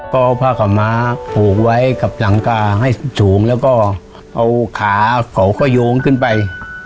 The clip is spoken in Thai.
ก็เอาผ้าขาวม้าผูกไว้กับหลังกาให้สูงแล้วก็เอาขาเขาก็โยงขึ้นไป